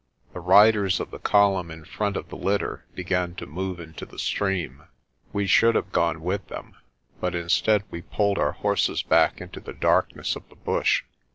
The riders of the column in front of the litter began to move into the stream. We should have gone with them, but instead we pulled our horses back into the darkness of the bush.